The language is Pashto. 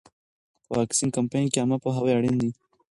په واکسین کمپاین کې عامه پوهاوی اړین دی.